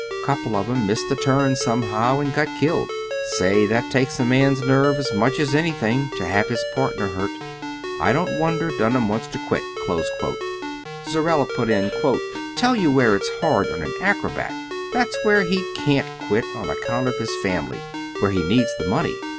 "Couple of 'em missed the turn somehow and got killed. Say, that takes a man's nerve as much as anything, to have his partner hurt. I don't wonder Dunham wants to quit." "Tell you where it's hard on an acrobat," put in Zorella "that's where he can't quit on account of his family where he needs the money.